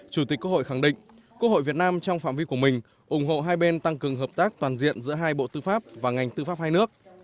chủ tịch quốc hội khẳng định quốc hội việt nam trong phạm vi của mình ủng hộ hai bên tăng cường hợp tác toàn diện giữa hai bộ tư pháp và ngành tư pháp hai nước